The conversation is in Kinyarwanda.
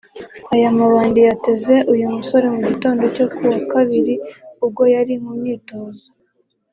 Aya mabandi yateze uyu musore mu gitondo cyo ku wa Kabiri ubwo yari mu myitozo